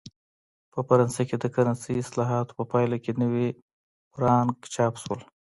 په فرانسه کې د کرنسۍ اصلاحاتو په پایله کې نوي فرانک چاپ شول.